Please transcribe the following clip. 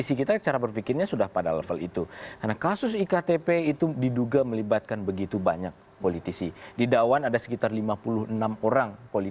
sampai jumpa lagi